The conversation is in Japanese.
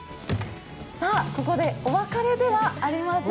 ここでお別れではありません。